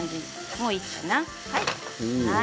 もういいかな？